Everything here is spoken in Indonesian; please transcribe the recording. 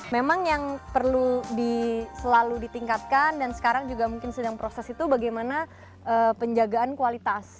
memang yang perlu selalu ditingkatkan dan sekarang juga mungkin sedang proses itu bagaimana penjagaan kualitas